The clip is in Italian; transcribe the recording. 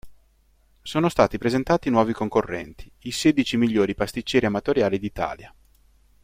Sono stati presentati i nuovi concorrenti: i sedici migliori pasticceri amatoriali d'Italia.